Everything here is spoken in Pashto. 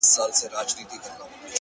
ما ستا لپاره په خزان کي هم کرل گلونه”